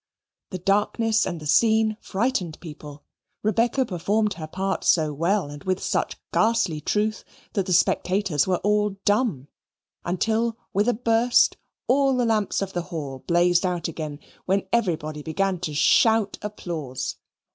The darkness and the scene frightened people. Rebecca performed her part so well, and with such ghastly truth, that the spectators were all dumb, until, with a burst, all the lamps of the hall blazed out again, when everybody began to shout applause.